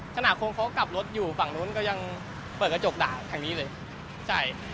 ขนาดคนเค้ากลับรถอยู่ฝั่งนู้นก็ยังเปิดกระจกด่าแบบนี้เลย